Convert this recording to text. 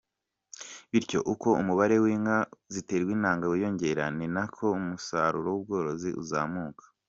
Bityo uko umubare w’inka ziterwa intanga wiyongera ni nako umusaruro mu bworozi uzamuka.